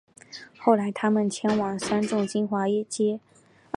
后来他们迁往三重金华街